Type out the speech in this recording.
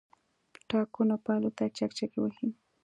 ټاکنو پایلو ته چکچکې وهي.